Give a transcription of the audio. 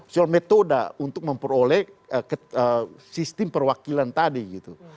soal metode untuk memperoleh sistem perwakilan tadi gitu